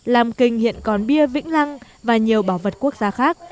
làm kinh hiện còn bia vĩnh lăng và nhiều bảo vật quốc gia khác